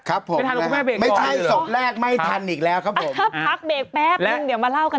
ครับผมนะครับไม่ใช่ศพแรกไม่ทันอีกแล้วครับผมครับครับพักเบรกแป๊บนึงเดี๋ยวมาเล่ากันต่อ